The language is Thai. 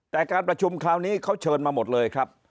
แต่การประชุมคราวนี้เขาเชิญมาหมดเลยครับ